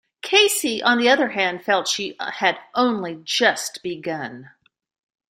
Cosey, on the other hand, felt she had only just begun.